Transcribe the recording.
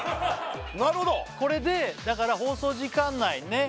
なるほどこれでだから放送時間内にね